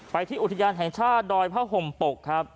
ที่อุทยานแห่งชาติดอยผ้าห่มปกครับ